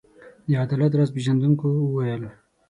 د عدالت راز پيژندونکو وویل.